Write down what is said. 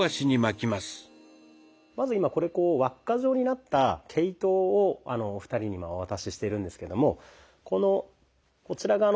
まず今これ輪っか状になった毛糸をお二人にお渡ししてるんですけどもこのこちら側の方ですね